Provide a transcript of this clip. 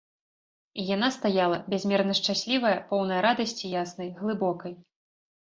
І яна стаяла бязмерна шчаслівая, поўная радасці яснай, глыбокай.